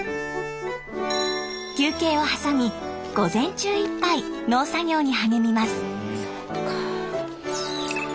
休憩を挟み午前中いっぱい農作業に励みます。